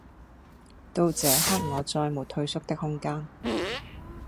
到這刻我再沒退縮的空間